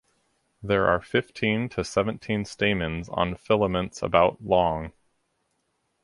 There are fifteen to seventeen stamens on filaments about long.